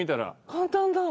簡単だ！